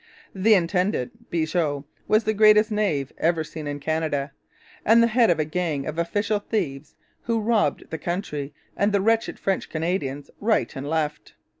The intendant, Bigot, was the greatest knave ever seen in Canada, and the head of a gang of official thieves who robbed the country and the wretched French Canadians right and left.